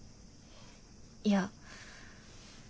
いや。